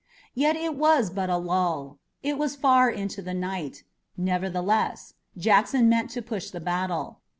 Yet it was but a lull. It was far into the night. Nevertheless, Jackson meant to push the battle.